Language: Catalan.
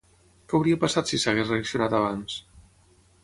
Què hauria passat si s'hagués reaccionat abans?